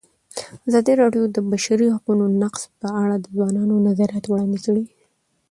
ازادي راډیو د د بشري حقونو نقض په اړه د ځوانانو نظریات وړاندې کړي.